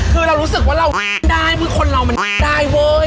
คือเรารู้สึกว่าเราได้คือคนเรามันได้เว้ย